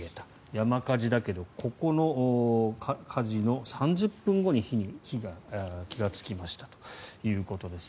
山火事だけどここの火事の３０分後に火に気がつきましたということです。